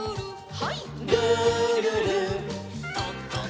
はい。